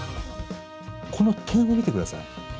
この点を見て下さい。